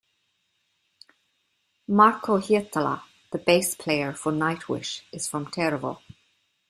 Marco Hietala, the bass player for Nightwish is from Tervo.